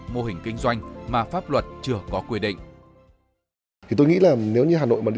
mô hình kinh doanh mà pháp luật chưa có quy định